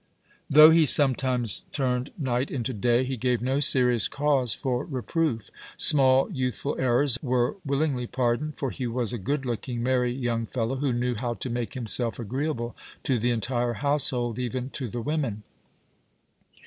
Though he sometimes turned night into day, he gave no serious cause for reproof. Small youthful errors were willingly pardoned; for he was a good looking, merry young fellow, who knew how to make himself agreeable to the entire household, even to the women.